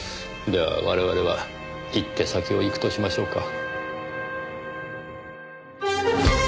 では我々は一手先を行くとしましょうか。